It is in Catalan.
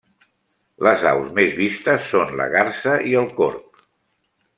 Les aus més vistes són la garsa i el corb.